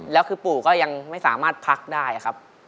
แล้วคือปู่ก็ยังไม่สามารถพักได้ครับ